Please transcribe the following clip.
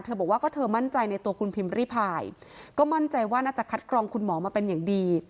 บอกว่าก็เธอมั่นใจในตัวคุณพิมพ์ริพายก็มั่นใจว่าน่าจะคัดกรองคุณหมอมาเป็นอย่างดี